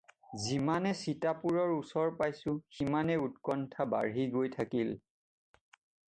যিমানে চিতাপুৰৰ ওচৰ পাইছোঁ সিমানে উৎকণ্ঠা বাঢ়ি গৈ থাকিল।